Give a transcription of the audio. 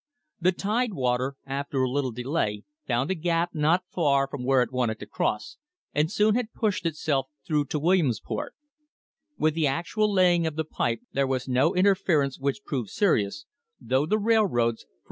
The Tidewater, after a little delay, found a gap not far from where it wanted to cross, and soon had pushed itself through to Williamsport. With the actual laying of the pipe there was no interference which proved serious, though the railroads frequently held back * See Appendix, Number 37.